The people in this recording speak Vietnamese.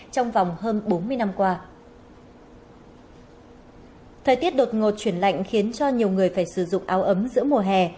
thời tiết đột ngột chuyển lạnh khiến cho nhiều người phải sử dụng áo ấm giữa mùa hè